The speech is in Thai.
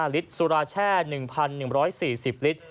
ลิตรสุราแช่๑๑๔๐ลิตร